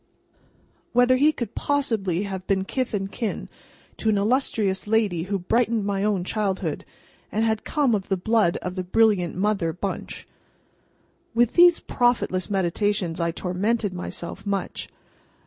Whether he could possibly have been kith and kin to an illustrious lady who brightened my own childhood, and had come of the blood of the brilliant Mother Bunch? With these profitless meditations I tormented myself much.